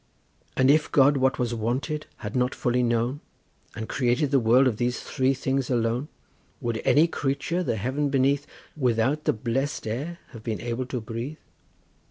And if God what was wanted had not fully known, But created the world of these three things alone, How would any creature the heaven beneath, Without the blest air have been able to breathe?